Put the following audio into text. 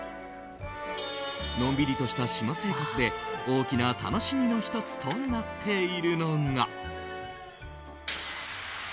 のんびりとした島生活で大きな楽しみの１つとなっているのが。